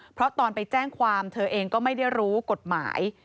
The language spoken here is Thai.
เพราะตอนไปแจ้งความเธอเองก็ไม่ได้รู้กฎหมาย